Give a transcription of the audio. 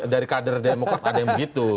dari kader demokrat ada yang begitu